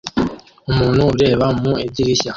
Umuntu ureba mu idirishya